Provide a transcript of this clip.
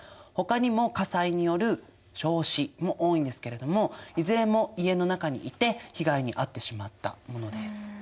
ほかにも火災による焼死も多いんですけれどもいずれも家の中にいて被害に遭ってしまったものです。